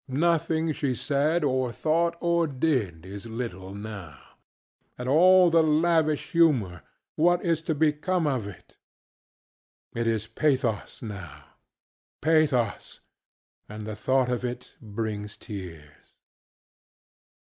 Nothing she said or thought or did is little now. And all the lavish humor! ŌĆöwhat is become of it? It is pathos, now. Pathos, and the thought of it brings tears.